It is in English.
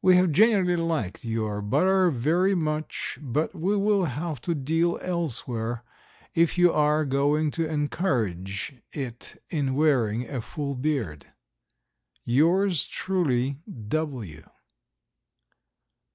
We have generally liked your butter very much, but we will have to deal elsewhere if you are going to encourage it in wearing a full beard. Yours truly, W.